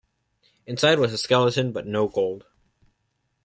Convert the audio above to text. Inside was a skeleton but no gold.